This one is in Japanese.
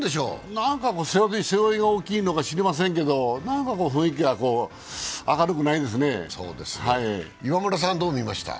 何か背負いが大きいのか知りませんけど、雰囲気が明るくないですね。